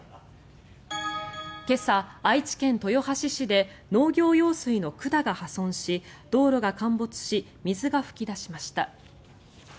今朝、愛知県豊橋市で農業用水の管が破損し道路が陥没し水が噴き出しました。